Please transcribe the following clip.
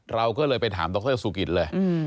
เราก็เลยไปถามดรสุกิตเลย